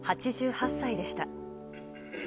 ８８歳でした。